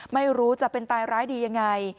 ไม่รู้จะเป็นตายร้ายดียังไง